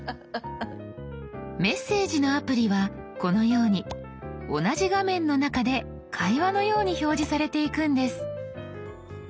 メッセージのアプリはこのように同じ画面の中で会話のように表示されていくんです。